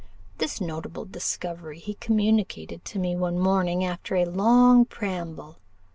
This notable discovery he communicated to me one morning, after a long preamble.